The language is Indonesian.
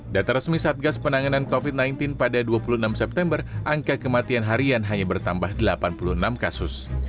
data resmi satgas penanganan covid sembilan belas pada dua puluh enam september angka kematian harian hanya bertambah delapan puluh enam kasus